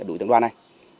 đối tượng đoan này